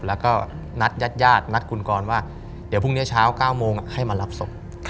แล้วก็นัดญาตินัดคุณกรว่าเดี๋ยวพรุ่งนี้เช้า๙โมงให้มารับศพ